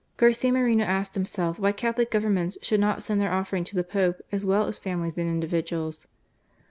Garcia Moreno asked himself why Catholic Governments should not send their offering to the Pope as well as families and individuals?